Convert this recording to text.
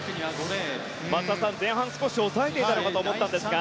松田さん、前半少し抑えていたのかと思ったんですが。